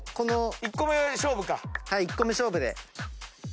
１個目勝負で。